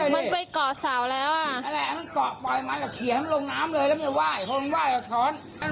มันไปเกาะเสาแล้วอ่ะมันเกาะปล่อยมันแล้วเขียนลงน้ำเลยแล้วไม่ไหว้คนไหว้เราช้อน